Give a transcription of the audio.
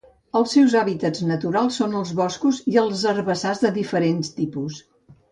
Els seus hàbitats naturals són els boscos i herbassars de diferents tipus.